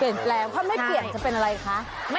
เปลี่ยนแปลงเพราะไม่เปลี่ยนจะเป็นอะไรคะ